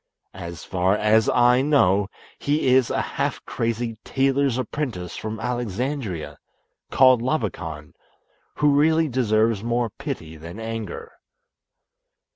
As far as I know, he is a half crazy tailor's apprentice from Alexandria, called Labakan, who really deserves more pity than anger."